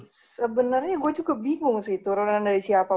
sebenarnya gue cukup bingung sih turunan dari siapa